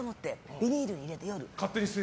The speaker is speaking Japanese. ビニールに入れて、夜。